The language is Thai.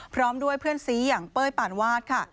พร้อมด้วยเพื่อนซีอย่างเป้ยปานวาดค่ะ